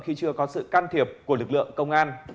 khi chưa có sự can thiệp của lực lượng công an